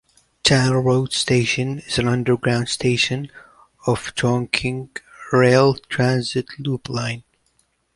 Channel road station is an underground station of Chongqing rail transit loop line.